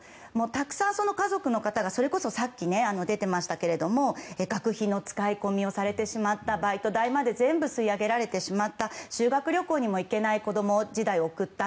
たくさんその家族の方がそれこそさっき出ていましたが学費の使い込みをされてしまったバイト代まで全部吸い上げられてしまった修学旅行にも行けない子供時代を過ごした。